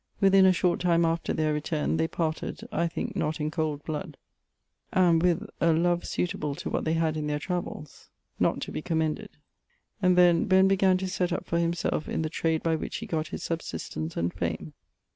Within a short time after their returne, they parted (I think not in cole bloud) and with a loue sutable to what they had in their travills (not to be comended); and then, Ben began to set up for himselfe in the trade by which he got his subsistance and fame.